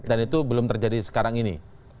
dan itu belum terjadi sekarang ini